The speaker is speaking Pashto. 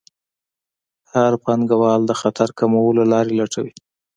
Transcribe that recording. هر پانګوال د خطر کمولو لارې لټوي.